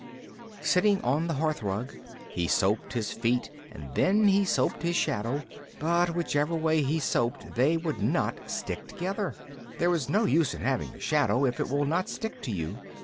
Sitting on the hearthrug, he soaped his feet and then he soaped his shadow, but whichever way he soaped they would not stick together. There is no use in having a shadow if it will not stick to you.